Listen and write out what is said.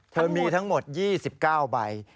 เธอมีทั้งหมด๒๙ใบ